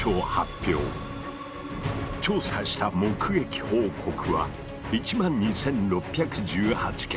調査した目撃報告は１万２，６１８件。